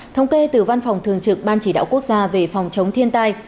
thống kê từ văn phòng thường trực ban chỉ đạo quốc gia về phòng chống thiên tai